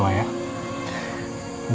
udah gak usah kecewa ya